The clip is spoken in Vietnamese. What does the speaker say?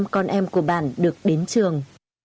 một trăm linh con em của bản được đến trường